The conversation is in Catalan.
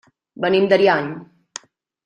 Venim d'Ariany.